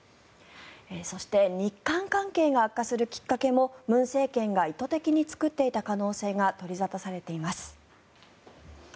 そして日韓関係が悪化するきっかけも文政権が意図的に作っていた可能性が取り沙汰されています。